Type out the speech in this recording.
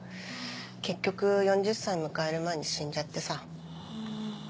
結局４０歳迎える前に死んじゃってさ。